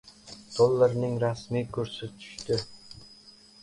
Dollarning rasmiy kursi tushdi